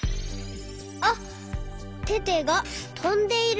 あっテテがとんでいる。